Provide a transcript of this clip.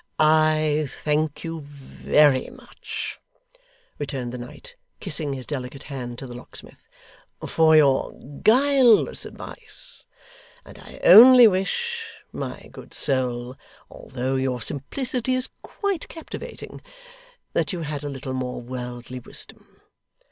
'I thank you very much,' returned the knight, kissing his delicate hand to the locksmith, 'for your guileless advice; and I only wish, my good soul, although your simplicity is quite captivating, that you had a little more worldly wisdom.